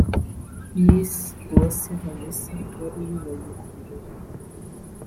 Miss Uwase Vanessa wari uyoboye ibirori